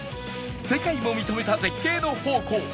世界も認めた絶景の宝庫